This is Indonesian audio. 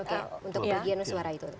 oke untuk bagian suara itu